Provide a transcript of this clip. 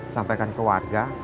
sampaikan ke warga